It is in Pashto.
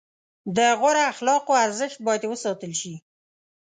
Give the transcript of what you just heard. د غوره اخلاقو ارزښت باید وساتل شي.